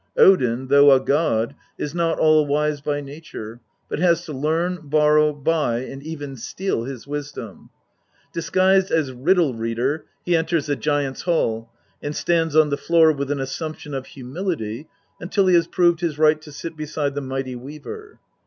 Odin, though a god, is not all wise by nature, but has to learn, borrow, buy, and even steal his wisdom. Disguised as Riddle reader he enters the giant's hall, and stands on the floor with an assumption of humility until he has proved his right to sit beside the Mighty Weaver.